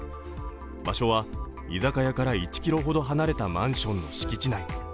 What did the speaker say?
場所は、居酒屋から１ｋｍほど離れたマンションの敷地内。